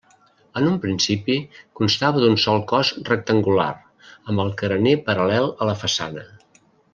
En un principi constava d'un sol cos rectangular, amb el carener paral·lel a la façana.